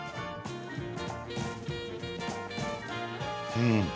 うん。